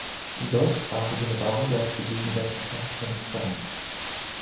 Im deutschsprachigen Raum bleibt sie gegenwärtig fast konstant.